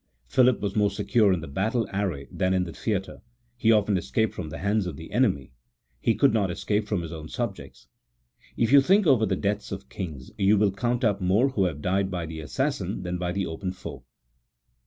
Philip was more secure in the battle array than in the theatre : he often escaped from the hands of the enemy, he could not escape from his own subjects. If you think over the deaths of kings, you will count up more who have died by the assassin than by the open foe."